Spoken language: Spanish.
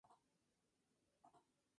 La incubación dura alrededor de dos semanas.